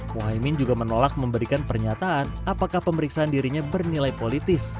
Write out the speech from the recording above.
muhaymin juga menolak memberikan pernyataan apakah pemeriksaan dirinya bernilai politis